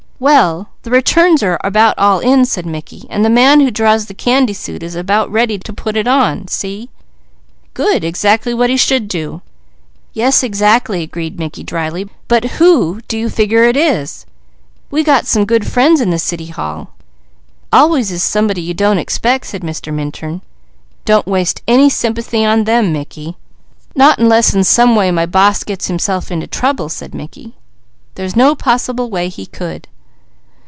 "Well the returns are about all in," said Mickey, "and the man who draws the candy suit is about ready to put it on. See?" "Good! Exactly what he should do." "Yes exactly," agreed Mickey dryly, "but who do you figure it is? We got some good friends in the City Hall." "Always is somebody you don't expect," said Mr. Minturn. "Don't waste any sympathy on them, Mickey." "Not unless in some way my boss got himself into trouble," said Mickey. "There's no possible way he could."